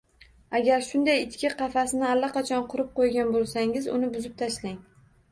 Agar shunday ichki qafasni allaqachon qurib qoʻygan boʻlsangiz, uni buzib tashlang